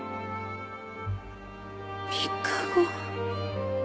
３日後。